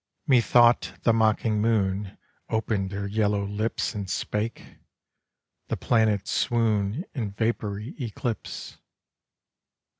Methought the mocking Moon Open'd her yellow lips And spake. The Planets swoon In vapoury eclipse.